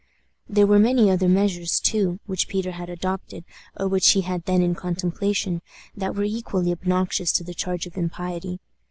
There were many other measures, too, which Peter had adopted, or which he had then in contemplation, that were equally obnoxious to the charge of impiety.